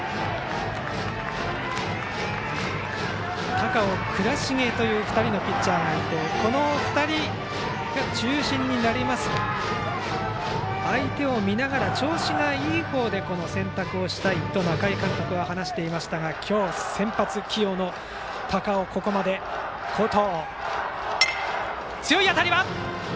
高尾、倉重という２人のピッチャーがいてこの２人が中心になりますと相手を見ながら、調子がいい方で選択したいと中井監督は話していましたが今日、先発起用の高尾はここまで好投。